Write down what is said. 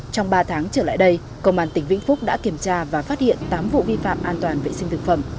trong ba tháng trở lại đây công an tỉnh vĩnh phúc đã kiểm tra và phát hiện tám vụ vi phạm an toàn vệ sinh thực phẩm